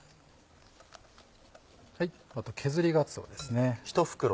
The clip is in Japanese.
あと削りがつおですね。